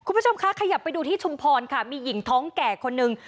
คุณผู้ชมคะขยับไปดูที่ชุมพรค่ะมีหญิงท้องแก่คนหนึ่ง